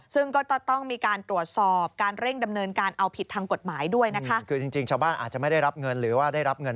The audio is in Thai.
ซึ่งก็ต้องมีการตรวจสอบการเร่งดำเนิน